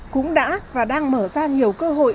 cũng đã và đang mở ra nhiều cơ hội